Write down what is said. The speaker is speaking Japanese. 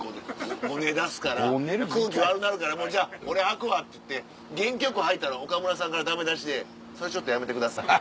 ごね出すから空気悪なるから「じゃあ俺はくわ」って言って元気よくはいたら岡村さんからダメ出しで「それちょっとやめてください」。